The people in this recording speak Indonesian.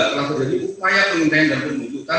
terlaku dari upaya penyelidikan dan pembuntutan